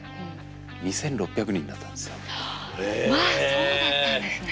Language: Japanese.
そうだったんですね。